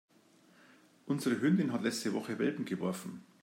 Unsere Hündin hat letzte Woche Welpen geworfen.